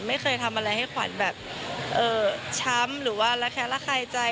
ไม่เคยทำอะไรให้ขวัญแบบช้ำหรือว่าระแค้นระคายใจ